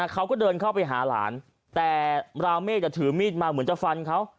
เขาก็เดินเข้าไปหาหลานแต่ราวเมฆถือมีดมาเหมือนจะฟันเขา